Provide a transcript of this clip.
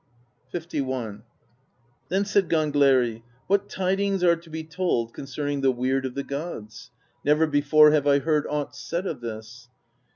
LI. Then said Gangleri: "What tidings are to be told concerning the Weird of the Gods? Never before have I heard aught said of this."